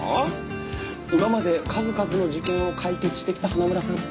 「今まで数々の事件を解決してきた花村さん」